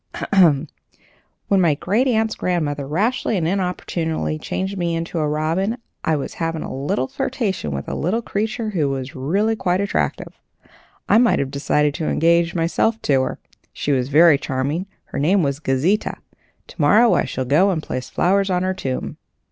Ahem! When my great aunt's grandmother rashly and inopportunely changed me into a robin, I was having a little flirtation with a little creature who was really quite attractive. I might have decided to engage myself to her. She was very charming. Her name was Gauzita. To morrow I shall go and place flowers on her tomb."